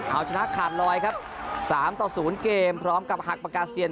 เอาชนะขาดลอยครับ๓ต่อ๐เกมพร้อมกับหักปากกาเซียน